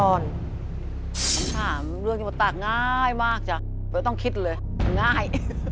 คำถามเรื่องที่มันตากง่ายมากจ้ะไม่ต้องคิดเลยง่าย